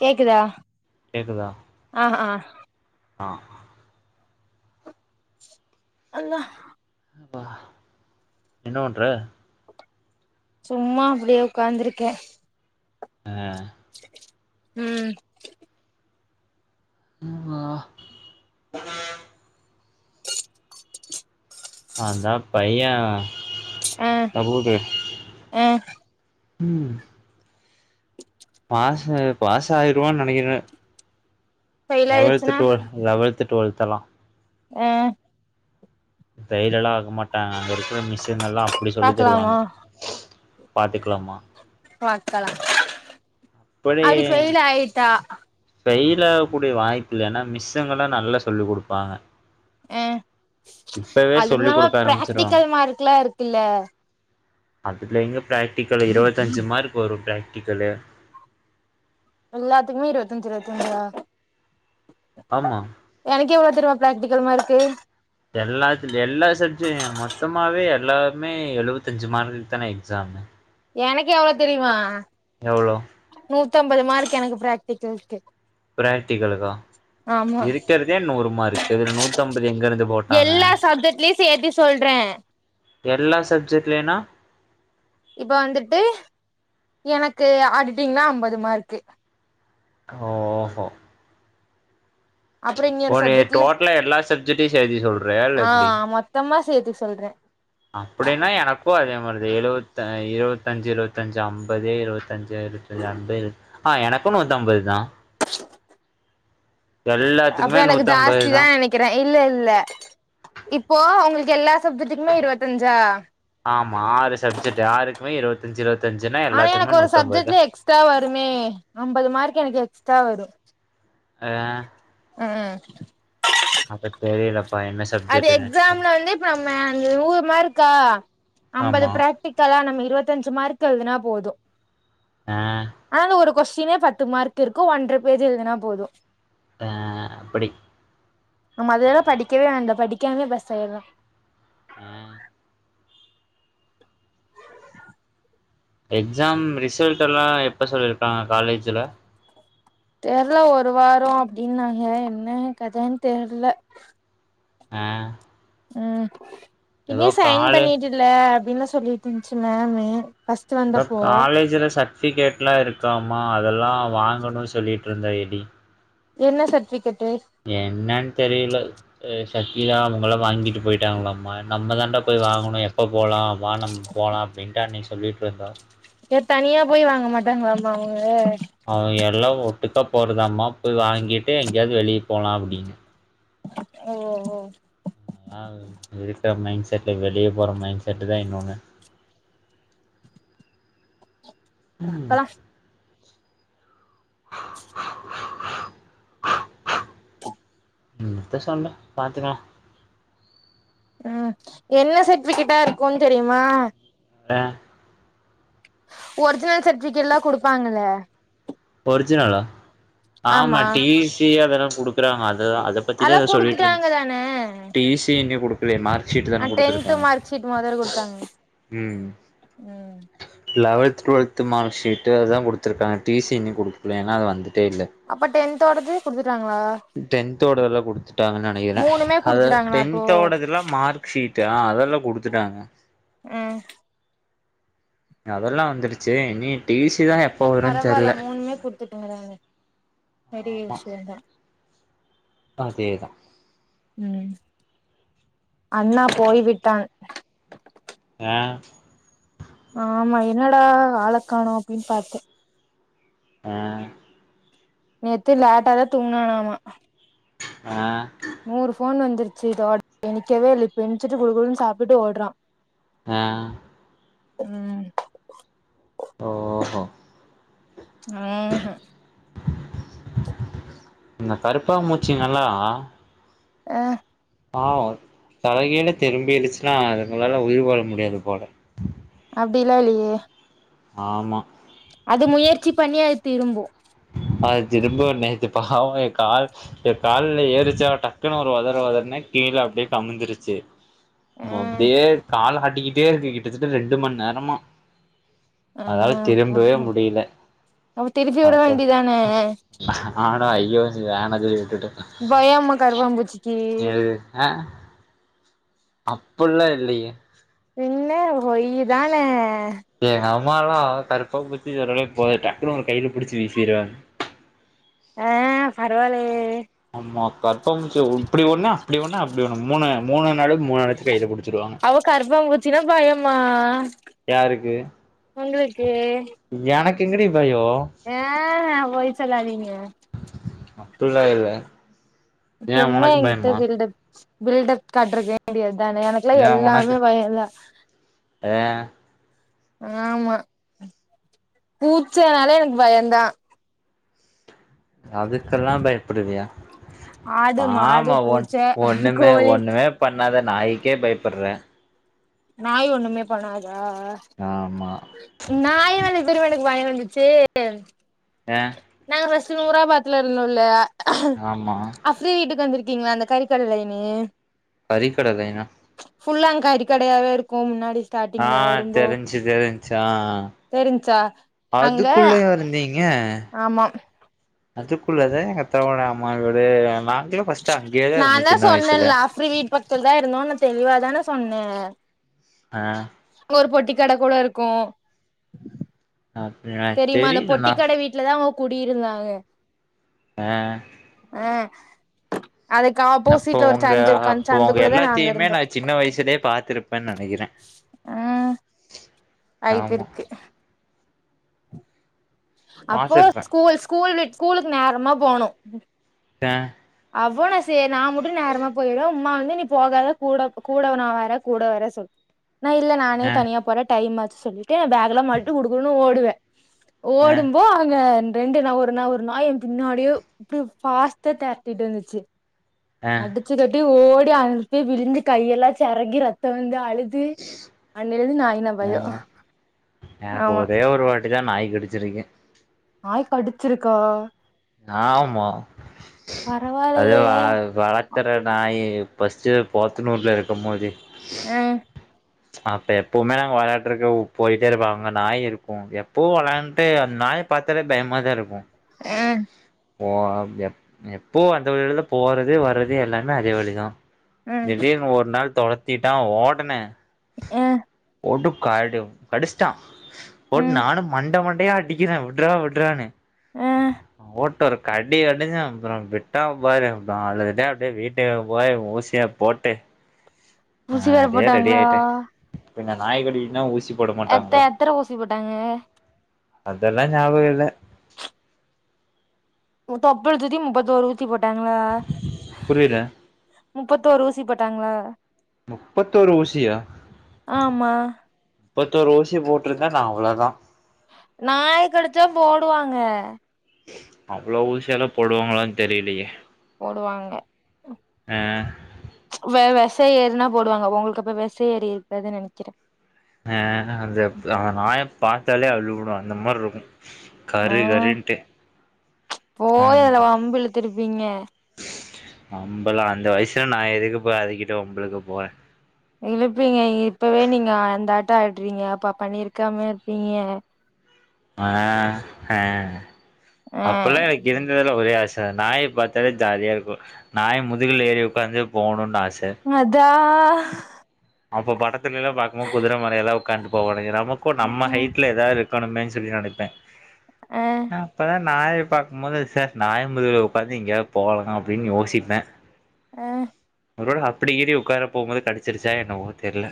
கேக்குதா கேக்குதா ஆ ஆ ஆ அல்லா அப்பா என்ன பண்ற சும்மா அப்டியே உக்காந்துருக்கே அ ம் ம் வா அந்தா பைய ஆ தபூது ஆ ம் பாசு பாசாய்டுவேன் நனைக்குறே ஃபெயில் லவல்து ஆயிடுச்சுன்னா டுவல்து லவல்து டுவல்த்தலா ஆ தைலல்லா ஆக மாட்டாங்க அங்க இருக்கிற மிஷின் எல்லா பாக்கலாமா பாத்துக்கலாமா பாக்கலா இப்படி அது ஃபெய்ல் ஆயிட்டா ஃபெயில் ஆக கூடிய வாய்ப்புல்லன்னா மிஷங்களா நல்லா சொல்லி் குடுப்பாங்க அ இப்பவே சொல்லி அதுவும்மில்லாம குடுக்க ஆரம்பிச்சிருவாங்க பிராக்டிக்கல் மார்க்ல்லா இருக்குல்ல அதுல எங்க ப்ராக்டிக்கல் இருவத்தஞ்சு மார்க் வரு ப்ராக்டிகலு எல்லாத்துக்குமே இருவத்தஞ்சு இருவத்தஞ்சா ஆமா எனக்கு எவ்ளோ தெரிமா ப்ராக்டிக்கல் மார்க்கு எல்லாத்து எல்லா சப்ஜெ மொத்தமாகாவே எல்லாருமே எழுவத்தஞ்சு மார்க்குக்கு தானே எக்ஸாமு எனக்கு எவ்ளோ தெரியுமா எவ்ளோ நூத்தம்பது மார்க் எனக்கு ப்ராக்டிகல்க்கு ப்ராக்டிகளுதா இருக்கிறதே நூறு மார்க்கு இதுல நூத்தம்பது எங்கருந்து போட்டாங் எல்லா சப்ஜெக்டலயு ஃபெ எது சொல்றே எல்லா சப்ஜெக்ட்லைனா இப்ப வந்துட்டு எனக்கு ஆடிட்டிங்னா அம்பது மார்க்கு கா ஓஹோ அப்பற இன்னியொரு ஒரு சப்ஜெக்ட்ல டோட்டலா எல்லா சப்ஜெக்ட்டையு சேத்தி சொல்றியா இல்ல ஆ எப்டி மொத்தமா சேத்து சொல்றே அப்படின்னா எனக்கு அதே மாரி எழுவத்த இருவத்தஞ்சு இருவத்தஞ்சு அம்பது இருவத்தஞ்சு கொஞ்ச அம்பது ஆ எனக்கு நூத்தம்பது தா [inaudible] அப்ப எல்லாத்துக்குமே எனக்கு நூத்தம்பது தா ஜாஸ்திதா நெனக் கிறே இல்ல இல்ல இப்போ உங்களுக்கு எல்லா சப்ஜெக்ட்டுக்குமே இருவத்தஞ்சா ஆமா ஆறு சப்ஜெக்ட் யாருக்குமே இருவத்தஞ்சு இருவத்திஞ்சுன்னா எல்லாத்துக்குமே நூத்தம்பதுதா எக்ஸ்டரா வருமே அம்பது மார்க் எனக்கு எக்ஸ்ட்ரா வரு ஆ ஆ அப்ப தெரியலப்பா என்ன அது சப்ஜெக்ட்ன்னு எக்ஸாம்ல வந்து நம்ம அந்த நூறு மார்க்கா ஐம்பது ஆமா ப்ரா டிக்கல்லா நம்ம இருவத்தஞ்சு மார்க் எழுதுனா போது ஆ ஆனா ஒரு கொஸ்டினே பத்து மார்க் இருக்கு ஒன்றர பேஜ் எழுதுனா போது ஆ அப்படி நம்ம அது வேண்டா படிக்கவே வேண்டா படிக்காமே பாஸ் ஆயிடலா ஆ எக்ஸாம் ரிசல்ட்டெல்லா எப்போ சொல்லியிருக்காங்க காலேஜில தெர்ல ஒரு வார அப்டின்னாங்க என்ன கதைனு தெர்ல ஆ ம் ஏதோ இனி சைன் காலே பண்ணிட்டுல அப்படின்னு சொல்லிட்ருந்துச்சு மேம்மு ஏதோ காலேஜில சர்ட்பிகேட்லா இருக்காமா அதெல்லா வாங்கணுனு சொல்லிட்ருந்தா எடி என்ன சர்ட்டிபிகேட்டு என்னான் தெரியல ஏ ஷக்கில்லா அவங்களாம் வாங்கிட்டு போயிட்டாங்களம்மா நம்ம தான்டா போய் வாங்கணு எப் எப்போ போலா வா நம்ம போலா அப்டின்டு அன்னைக்கு சொல்லிட்டு இருந்தா ஏயா தனியா போய் வாங்க மாட்டாங்களாமா அவுங்க அவுங்க எல்லா ஒட்டுக்கா போறதாம்மா போய் வாங்கிட்டு எங்கயாது வெளிய போகலா அப்டின்னு ஓ ஓ ஓ நா இருக்க மைண்ட்செட்ல வெளிய போற மைண்ட் செட்டு தா இன்னொன்னு ம் பாக்கலா உங்கிட்ட சொன்னே பாத்துக்கலா ம் என்ன சர்பிகேட்டா இருக்குன்னு தெரியுமா? அ ஒரிஜினல் சர்டிபிகேட்லா குடுப்பாங்கலே ஒரிஜினலா ஆமா டி சி அதெல்லா குடுக்குறாங்க அததா அத அத பத்ததா அதெல்லா ஏதோ சொல்லிட்டு குடுத்துட்டாங்க இருந்துச்சி தான டி சி இன்னு குடுத் இல்லையே மார்க் ஷீட் ஆ தானே டென்த் குடுத்திருப்பாங்க மார்க் ஷீட் மொதல்ல குடுத்தாங்க ம் ம் லெவல்த் டுவெல்த் மார்க் ஷீட்டு அதுதா குடுத்திருக்காங்க டி சி இன்னியு குடுக்கல ஏன்னா அது வந்துட்டே இல்ல அப்ப டென்த்தோடது குடுத்துட்டாங்களா? டென்தோடதெல்லா குடுத்துட்டாங்கு நெனைக்கிறே மூணுமே அத குடுத்துட்டாங்களா அப்போ டென்த்தோடதெல்லா மார்க் ஷீட் எனா அதெல்லா குடுத்துட்டாங்க ம் அதெல்லா வந்துடுச்சி இனி டி சி தா எப் பரவால்ல மூணுமே குடுத்துவுட்டாங்களே பெரிய ஆமா விஷயோ தா அதேதா ம் அண்ணா போய்விட்டான் ஏயே ஆமா என்னடா ஆளக் காணு அப்டின்னு பாத்தே ஆ நேத்து லேட்ட தா தூங்கனானமா ஆ நூறு ஃபோன் வந்துருச்சி இதோட நிக்கவே இல்ல இப்பெணிச்சிட்டு குடுகுடுனு சாப்டுட்டு ஓட்றா ஆ ம் ஓஹோ ம் ம் இந்த கருப்பா மூச்சிங்கள்லா ஆ பாவோ தலகீல திரும்பிடிச்சின்னா அதுங்களால உயிர் வாழ முடியாது போல அப்டில்லா இல்லையே ஆமா அது முயற்சி பண்ணி அது திரும்போ அது திரும்போ நேத்து பாவோ எயா கால் அது கால்ல ஏறுச்சா டக்குன்னு ஒரு ஒதற ஒதறன கீழே அப்டியே கமுந்திருச்சி ஆ சும்மா அப்டியே கால் ஆட்டிக்கிட்டே இருக்கு கிட்டத்தட்ட ரெண்டு மணி நேரமா ஆ அதால திரும்பவே முடியல அப்ப திருப்பிவுட வேண்டிதானே ஆடா ஐயோ சேரி வேணா சொல்லி விட்டுட்டே பயம்மா கருபாம்பூச்சுக்கி ஆ அப்பள்ள இல்லையே பின்ன பொய் தான எங்க அம்மாலா கருப்பாபூச்சி சொன்னோனே போய் டக்குனு ஒரு கையில புடிச்சு வீசிருவாங்க ஆ பரவாலேயே ஆமா கர்பாம்பூச்சுய இப்டி ஒண்ணு அப்டி ஒண்ணு அப்டி ஒண்ணு மூணு மூணு நழு அவோ கர்ப்பாம்பூச்சினா பயமா யாருக்கு உங்களுக்கு எனக்கு எங்கடி பயோ ஆஹ பொய் சொல்லாதீங்க அப்பிட்லா இல்ல ஏ சும்மா உனக்கு எங்கிட்ட பயமா பில்டப் பில்டப் காட்டுறக்க வேண்டியது தான எனக்குல்லா எல்லாமே பயந்தா அ ஆமா பூச்சனாலே எனக்கு பயந்தான் அதுக்கெல்லா பயப்படுவியா ஆடு மாடு ஆமா ஒன் பூச்ச ஒண்ணுமே கோழி ஒண்ணுமே பண்ணாத நாய்க்கே பயப்படுற நாய் ஒண்ணுமே பண்ணாதா ஆமா நாய் மேல எப்தெருமா எனக்கு பயோ வந்துச்சு சேரி எ நாங்க ஃபஸ்ட்டு நூராபாத்துல இருந்தோல்ல அப் ஆமா அஃப்ரீ வீட்டுக்கு வந்திருக்கீங்களா அந்த கறிக்கட லைன்னு கறிக்கட லைனா ஃபுல்லா அங் கறிகடையாவே இருக்கும் முன்னாடி ஆ ஸ்டார்டிங்ல வரும்போ தெரிஞ்சு தெரிஞ்சு ஆ தெரிஞ்சா ஆ அங்க அதுக்குள்ளயா இருந்தீங்க அ ஆமா அதுக்குள்ளதா எங்க அத்தாவோட அம்மாவீடு அ நாங்கலு நா தா சொன்னேல அஃப்ரீ வீட் பக்த்துல தா இருந்தோனு தெளிவாதான சொன்னே ஆ அங்க ஒரு பொட்டி கட கூட இருக்கு அப்டியா தெரிமா அந்த பொட்டி தெரிலண்ணா கட வீட்ல தா அவுங்க குடியிருந்தாங்க அ அ அதுக்கு அப்போ ஆப்போசிட்ல ஒரு உங்க சந்து இருக்கு அந்த அப்போ உங்க சந்துக்குள்ளதா நாங்க எல்லாத்தையுமே இருந்தோ நா சின்ன வயசுலயே பாத்துருப்பேன்னு நெனைக்கிறே அ ஆய்ப்பு ஆமா இருக்கு அப்போ பாத்துருப்பே ஸ்கூல் ஸ்கூல் விட் ஸ்கூலுக்கு நேரமா போணு அ அவ நா சே நா மட்டு நேரமா போயிடற உம்மா வந்து நீ போகாத கூட கூட நா வர கூட வர சொல் நா இல்ல நானே ஆ தனியா போர டைம்மாச்சு சொல்லிட்டு பேக்கெல்லா மாட்டிட்டு குடுகுடுனு ஓடுவ ஆ ஓடும்போ அங்க ரெண்டு நா ஒரு நா ஒரு நாய் எ பின்னாடியே இப்டி ஃபாஸ்ட்டா தெரட்டிட்டு வந்துச்சு ஆ அடிச்சு கட்டி ஓடி அங்குட்டுபோய் விழுந்து கையெல்லா செரங்கி ரத்தோ வந்து அழுது அன்னைலந்து நாய்னா பயோ எனக்கு ஆமா ஒரே ஒரு வாட்டி தா நாய் கடிச்சிருக்கு நாய் கடிச்சிருக்கா ஆமா அது பரவால்லயே வ அது வள க்குற நாயி ஃபஸ்ட்டு போத்துனூர்ல இருக்கும்போது அ அப்ப எப்போமே நாங்க வெளயாண்ட்டுருக்கு போய்ட்டே இருப்போ அங்க நாய் இருக்கு எப்போவு வெளாண்ட்டு நாய் பாத்தாலே பயமாதா இருக்கு ஆ ஓ அப்டியா எப்பவு அந்த வழில தா போறது வர்றது எல்லாமே அதே வழி தா அ திடீர்னு ஒரு நாள் தொரத்திட்டா ஓடுனே ஆ போட்டு கடு கடுச்சுட்டா அ போட்டு நானு மண்ட மண்டயா அடிக்கிறே விட்றா விட்றானு ஆ போட்டு ஒரு கடி கடிச்சு அப்றோ விட்டாபாரு அப்றோ அழுதுட்ட அப்டியே வீட்டுக்கு போயி ஊசிய போட்டு ஆ ஊசி வேற அப்டியே ரெடி போட்டாங்களா ஆய்ட்டே பின்ன நாய்கடினா ஊசி போட மாட்டாங்களா எத்த எத்தன ஊசி போட்டாங்க அதெல்லா ஞாபக இல்ல தொப்புழு சுத்தி முப்பத்தொரு ஊசி போட்டாங்களா புரியல முப்பத்தோரு ஊசி போட்டாங்களா முப்பத்தோரு ஊசியா ஆமா முப்பத்தொரு ஊசி போட்ருந்தா நா அவ்ளோதா நாய் கடிச்சா போடுவாங்க அவ்ளோ ஊசியலா போடுவாங்களானு தெரிலயே போடுவாங்க வெ வெசோ ஏறுனா போடுவாங்க உங்களுக்கு அப்ப வெசோ ஏறிருக்காதுனு நெனைக்கிறே ஆ ஹ அந்த நாய பாத்தாலே அள்ளுவிடு அந்த மாரிருக்கு ஆ போயல வம்பு இழுத்துருப்பீங்க வம்பலா அந்த வயசுல நா எதுக்குப்பா அதுக்கிட்ட வம்பிளுக்க போறே இழுப்பீங்க இப்பவே நீங்க அந்த ஆட்டோ ஆட்றீங்க அப்ப பண்ணிருக்காமயா இருப்பீங்க ஆ ஹ ஆ அப்பெல்லா எனக்கு இருந்ததுலா ஒரே ஆச நாய பாத்தாலே ஜாலியாருக்கு நாய முதுகுல ஏரி ஒக்காந்து போணுனு ஆச மதா அப்ப படத்துல எல்லா பாக்கும்போது குதிர மேல எல்லா உக்காந்ட்டு போவானுங்க நமக்கு நம்ம ஹைட்ல எதாது இரு உக்காரனுன்னு சொல்லி நினைப்பே ஆ அப்பதா நாயை பாக்கும்போது ச நாய் முதுகுல உட்காந்து எங்கயாவது போகனு அப்டின்னு யோசிப்பே ஆ ஒருவேள அப்படி ஏறி உக்கார போகும்போது கடிச்சிருச்சா என்னமோ தெரில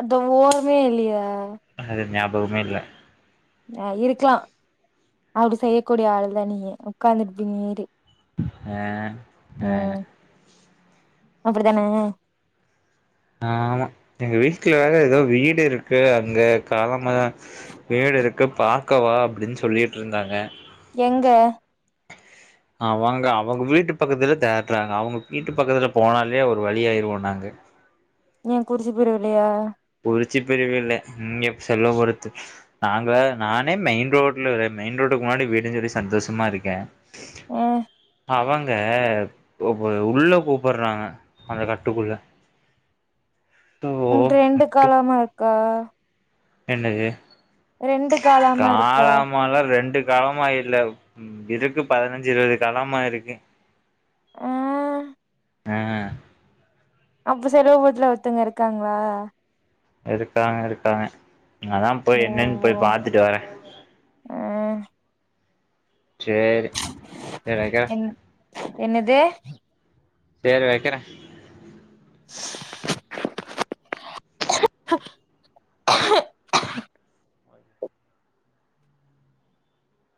அது ஓரமே இல்லயா அது ஞாபகமே இல்ல ஆ இருக்லா அப்டி செய்யக்கூடிய ஆள் தா நீங்க ஒக்காந்துருப்பீங்க ஏறி ஆ ஆ அப்டிதானே ஆமா எங்க வீட்ல வேற ஏதோ வீடு இருக்கு அங்க காலமாதா வீடு இருக்கு பாக்க வா அப்டின்னு சொல்லிட்டு இருந்தாங்க எங்க அ வாங்க அவுங்க வீட்டு பக்கத்துல தேட்றாங்க அவுங்க வீட்டு பக்கத்துல போனாலே ஒரு வழியாய்ருவோ நாங்க ஏ குறிச்சி பிரிவுளையா உறிச்சி பிரிவில்லே ம் எ செல்வ பொருத்து நாங்க்ல நானே மெயின் ரோட்ல எ மெயின் ரோட்டுக்கு முன்னாடி விடிஞ்சுது சந்தோசுமா இருக்கே உ அவங்க கோபு உள்ளே கூப்புறாங்க அந்த கட்டுக்குள்ள சோ உங் ரெண்டு கட்டு காலமா இக்கா என்னது ரெண்டு காலாமா இருக்கா காலாமாலா ரெண்டு கலமா இல்லவ் ம் எதுக்கு பதினஞ்சி இருவது காலமா இருக்கு ஆ ஆ அப்ப செலவுபூத்ல ஒருத்தங்க இருக்காங்ளா இருக்காங்க இருக்காங்க அதா போய் ஓ என்னன் போய் பாத்துட்டு வரே ஆ சேரி சேரி வைக்கிறே என்னு என்னதே சேரி வக்கிறே [inaudible]